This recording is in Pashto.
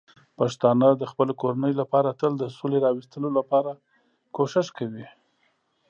پښتانه د خپلو کورنیو لپاره تل د سولې راوستلو لپاره کوښښ کوي.